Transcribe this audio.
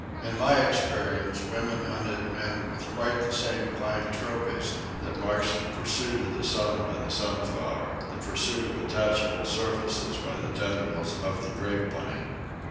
In my experience women hunted men with quite the same blind tropism that marks the pursuit of the sun by the sunflower, the pursuit of attachable surfaces by the tendrils of the grapevine.